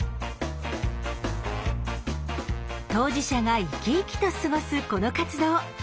当事者が生き生きと過ごすこの活動。